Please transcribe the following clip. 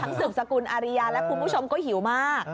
สืบสกุลอาริยาและคุณผู้ชมก็หิวมาก